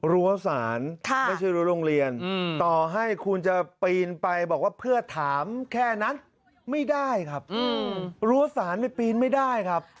รั้วสารไม่ใช่รั้วโรงเรียนต่อให้คุณจะปีนไปบอกว่าเพื่อถามแค่นั้นไม่ได้ครับรั้วสารไปปีนไม่ได้ครับ